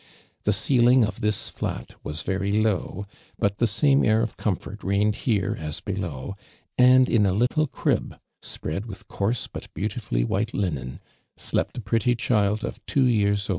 The ceiling of this flat Wiis very low, but the same air of comfort reigned here as below, and in a little crib, sjjread with coarse but beautifully whitf linen, slept a pretty child of two yeari^ oM.